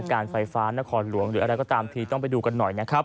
การไฟฟ้านครหลวงหรืออะไรก็ตามทีต้องไปดูกันหน่อยนะครับ